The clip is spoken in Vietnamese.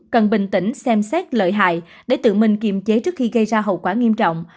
cần bình tĩnh xem xét lợi hại để tự mình kiềm chế trước khi gây ra hậu quả nghiêm trọng